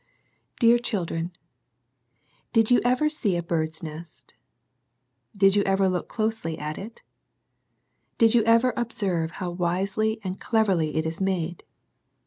DEAR Children, — Did you ever see a bird's nest? Did you ever look closely at it? Did you ever observe how wisely and cleverly it is made?